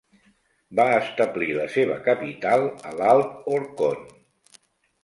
Va establir la seva capital a l'alt Orkhon.